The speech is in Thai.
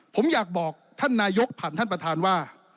ผมอยากบอกท่านนายกผ่านท่านประธานว่า